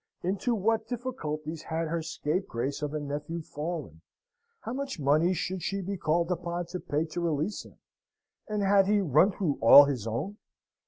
Into what difficulties had her scapegrace of a nephew fallen? How much money should she be called upon to pay to release him? And had he run through all his own?